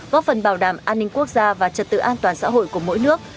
góp phần bảo đảm an ninh quốc gia và trật tự an toàn xã hội của mỗi nước